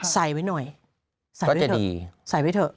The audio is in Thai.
ใส่ไว้หน่อยใส่ไว้เถอะ